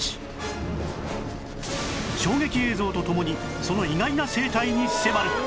衝撃映像と共にその意外な生態に迫る